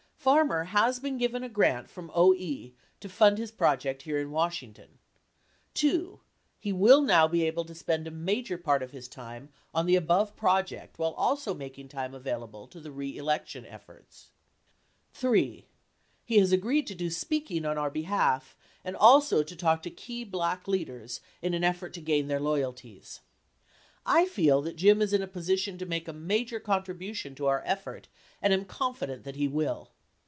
Farmer has been given a grant from OE to fund his project here in Washington. 2. He will now be able to spend a major part of his time on the above project while also making time available to the re election efforts. 3. He has agreed to do speaking on our behalf and also to talk to key black leaders in an effort to gain their loyal ties. I feel that Jim is in a position to make a major contribu tion to our effort, and am confident that he will.